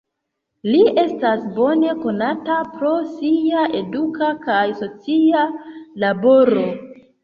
Li estas bone konata pro sia eduka kaj socia laboro.